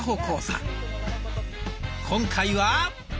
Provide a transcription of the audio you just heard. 今回は。